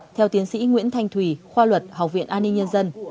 theo tiến sĩ nguyễn thanh thùy khoa luật học viện an ninh nhân dân